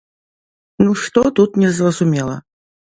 Ну што тут незразумела!